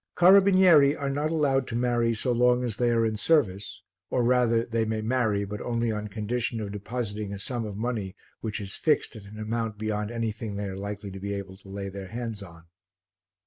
Carabinieri are not allowed to marry so long as they are in service, or rather they may marry but only on condition of depositing a sum of money which is fixed at an amount beyond anything they are likely to be able to lay their hands on.